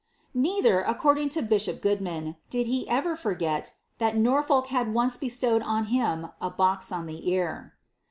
'^ Neither, according to bishop Goodman, did he erer forget that Norfolk had once bestowed on him a box on the ear.